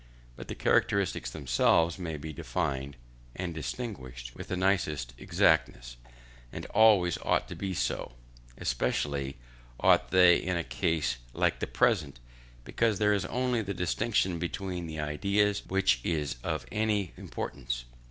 But the characteristics themselves may be defined and distinguished with the nicest exactness, and always ought to be so. Especially ought they in a case like the present, because here it is only the distinction between the ideas which is of any importance.